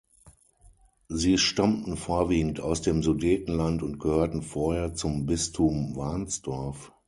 Sie stammten vorwiegend aus dem Sudetenland und gehörten vorher zum Bistum Warnsdorf.